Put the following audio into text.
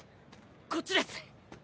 こっちです！